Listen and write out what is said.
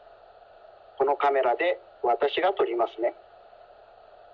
このカメラでわたしがとりますね。